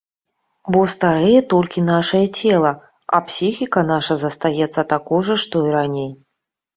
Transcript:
Бо старэе толькі нашае цела, а псіхіка наша застаецца такой жа, што і раней.